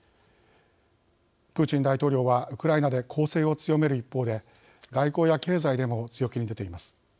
プーチン大統領はウクライナで攻勢を強める一方で外交や経済でも強気に出ています。